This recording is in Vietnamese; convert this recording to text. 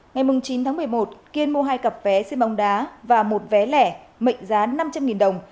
ngày chín tháng một mươi một kiên mua hai cặp vé xe bóng đá và một vé lẻ mệnh giá năm trăm linh đồng